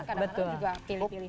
kadang kadang juga pilih pilih